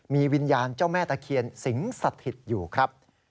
มีวิญญาณเจ้าแม่ตะเคียนสิงสถิตอยู่ครับ